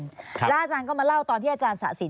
จริงครับและอาจารย์ก็มาเล่าตอนที่อาจารย์สระสิน